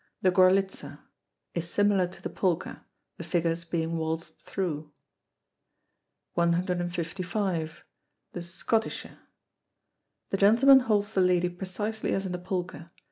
The Gorlitza is similar to the polka, the figures being waltzed through. 155. The Schottische. The gentleman holds the lady precisely as in the polka.